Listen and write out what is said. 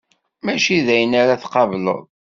Mačči d ayen ara tqableḍ.